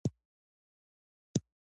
د خلکو نظرونه هم پوښتل کیدای شي.